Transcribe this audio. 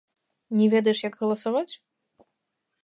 Не ведаеш, як галасаваць?